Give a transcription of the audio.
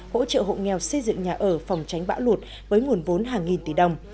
hỗ trợ hộ nghèo xây dựng nhà ở phòng tránh bão lụt với nguồn vốn hàng nghìn tỷ đồng